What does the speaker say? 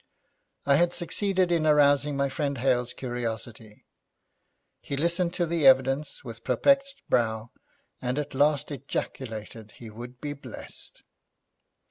I had succeeded in arousing my friend Hale's curiosity. He listened to the evidence with perplexed brow, and at last ejaculated he would be blessed.